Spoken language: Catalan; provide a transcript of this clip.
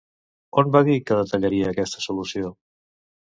On va dir que detallaria aquesta solució?